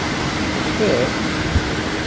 Tebdiḍ.